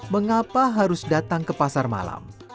mengapa harus datang ke pasar malam